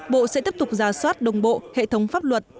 bộ sẽ tiếp tục giả soát đồng bộ hệ thống pháp luật